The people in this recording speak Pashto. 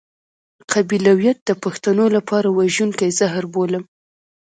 قبيلويت د پښتنو لپاره وژونکی زهر بولم.